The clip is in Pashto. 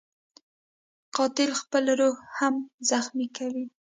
قاتل خپله روح هم زخمي کوي